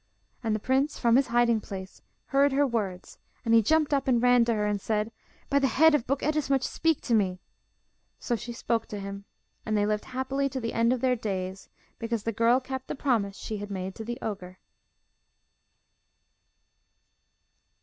And the prince, from his hiding place, heard her words, and he jumped up and ran to her and said, 'By the head of Buk Ettemsuch, speak to me.' So she spoke to him, and they lived happily to the end of their days, because the girl kept the promise she had made to the ogre.